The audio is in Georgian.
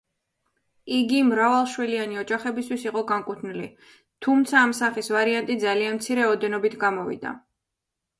იგი მრავალშვილიანი ოჯახებისთვის იყო განკუთვნილი, თუმცა ამ სახის ვარიანტი ძალიან მცირე ოდენობით გამოვიდა.